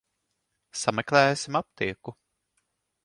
Sameklēsim aptieku.